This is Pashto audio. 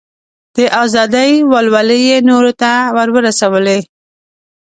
د ازادۍ ولولې یې نورو ته ور ورسولې.